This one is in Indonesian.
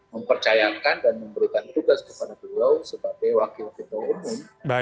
mempercayakan dan memberikan tugas kepada beliau sebagai wakil ketua umum